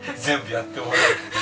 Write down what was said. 全部やってもらえる？